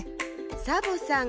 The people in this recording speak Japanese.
サボさん